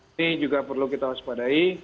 ini juga perlu kita waspadai